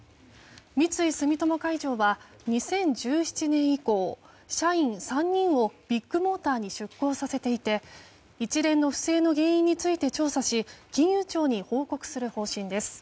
三井住友海上は２０１７年以降社員３人をビッグモーターに出向させていて一連の不正の原因について調査し金融庁に報告する方針です。